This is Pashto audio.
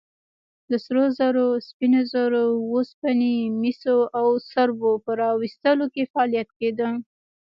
د سرو زرو، سپینو زرو، اوسپنې، مسو او سربو په راویستلو کې فعالیت کېده.